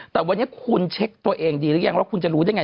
แต่วันนี้คุณเช็คตัวเองดีหรือยังว่าคุณจะรู้ได้ไง